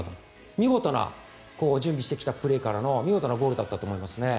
見事な準備してきたプレーからの見事なゴールだと思いますね。